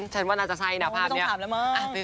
ฉันว่าน่าจะใช่นะภาพนี้อ๋อไม่ต้องถามแล้วมั่ง